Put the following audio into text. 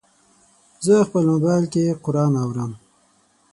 زه خپل موبایل کې قرآن اورم.